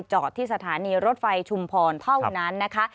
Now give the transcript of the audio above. จอดที่สถานีรถไฟชุมพรเท่านั้นนะคะ